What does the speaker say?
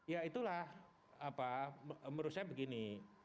ya itulah apa menurut saya begini